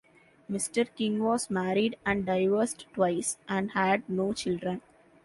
Mr. King was married and divorced twice, and had no children.